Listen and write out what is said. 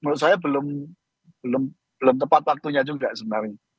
menurut saya belum tepat waktunya juga sebenarnya